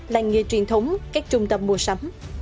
làng nghề truyền thống các trung tâm mua sắm